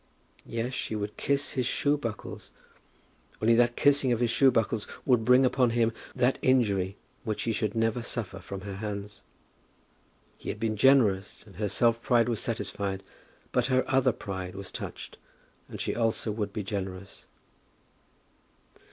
Yes; she would kiss his shoebuckles, only that the kissing of his shoebuckles would bring upon him that injury which he should never suffer from her hands! He had been generous, and her self pride was satisfied. But her other pride was touched, and she also would be generous.